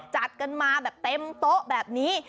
จัดกันมาแบบเต็มโต๊ะแบบนี้